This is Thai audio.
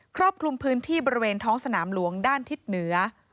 รอบคลุมพื้นที่บริเวณท้องสนามหลวงด้านทิศเหนือ